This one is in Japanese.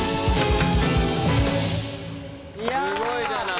すごいじゃない。